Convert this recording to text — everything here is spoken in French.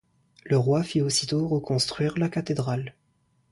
Le roi fit aussitôt reconstruire la cathédrale.